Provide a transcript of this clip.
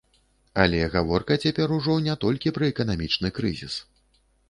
Але гаворка цяпер ужо не толькі пра эканамічны крызіс.